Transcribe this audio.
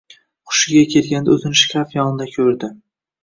Xushiga kelganda o`zini shkaf yonida ko`rdi